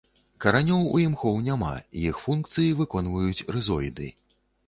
Каранёў у імхоў няма, іх функцыі выконваюць рызоіды.